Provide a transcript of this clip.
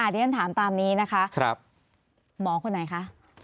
เดี๋ยวฉันถามตามนี้นะคะหมอคนไหนคะ